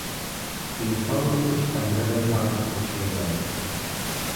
The economy is primarily agricultural lead.